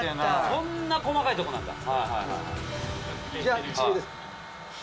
そんな細かいとこなんだ。